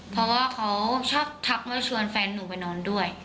เพราะว่าเขาชอบทักว่าชวนแฟนหนูไปนอนด้วย